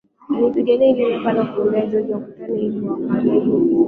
Aliipiga ile namba na kumwambia George wakutane ili wakanywe pombe